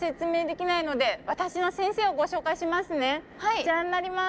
こちらになります！